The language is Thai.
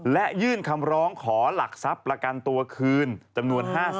และยื่นคำร้องขอหลักทรัพย์ประกันตัวคืนจำนวน๕๐